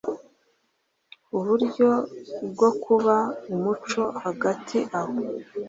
uburyo bwo kuba umuco Hagati aho